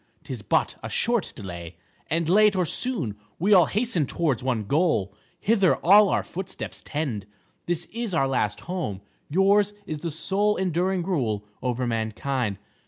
'Tis but a short delay, and late or soon we all hasten towards one goal. Hither all our footsteps tend. This is our last home, yours is the sole enduring rule over mankind.